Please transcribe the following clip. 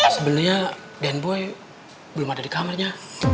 sebenernya denboy belum ada di kamarnya